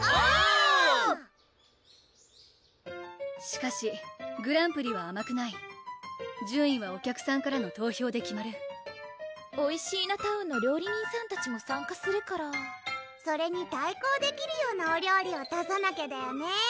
しかしグランプリはあまくない順位はお客さんからの投票で決まるおいしーなタウンの料理人さんたちも参加するからそれに対抗できるようなお料理を出さなきゃだよね